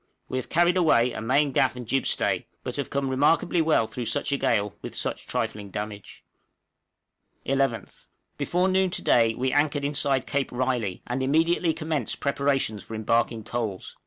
We have carried away a main gaff and a jibstay, but have come remarkably well through such a gale with such trifling damage. {BEECHEY ISLAND DEPÔT.} 11th. Before noon to day we anchored inside Cape Riley, and immediately commenced preparations for embarking coals.